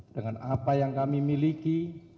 dengan apa yang kami miliki